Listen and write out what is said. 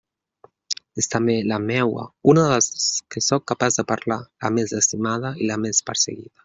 És també la meua, una de les que sóc capaç de parlar, la més estimada..., i la més perseguida.